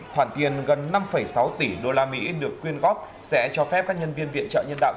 khoản tiền gần năm sáu tỷ usd được quyên góp sẽ cho phép các nhân viên viện trợ nhân đạo